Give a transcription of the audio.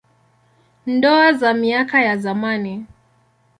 Ndoa za miaka ya zamani.